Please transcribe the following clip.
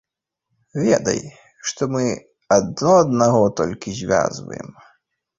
Ведай, што мы адно аднаго толькі звязваем.